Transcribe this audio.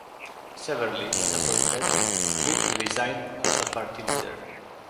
Severely disappointed, Goop resigned as party leader.